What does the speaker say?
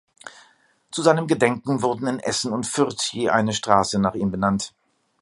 Zu seinem Gedenken wurden in Essen und Fürth je eine Straße nach ihm benannt.